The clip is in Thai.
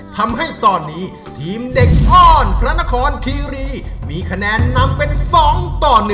ทำให้ตอนนี้ทีมเด็กอ้อนพระนครคีรีมีคะแนนนำเป็น๒ต่อ๑